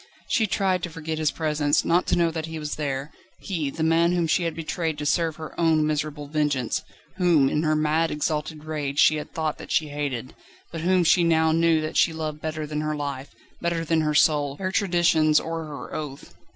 She tried to forget his presence, not to know that he was there he, the man whom she had betrayed to serve her own miserable vengeance, whom in her mad, exalted rage she had thought that she hated, but whom she now knew that she loved better than her life, better than her soul, her traditions, or her oath.